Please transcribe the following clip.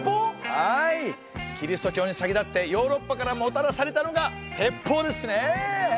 はいキリスト教に先立ってヨーロッパからもたらされたのが鉄砲ですねええ。